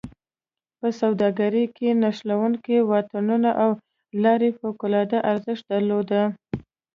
په سوداګرۍ کې نښلوونکو واټونو او لارو فوق العاده ارزښت درلوده.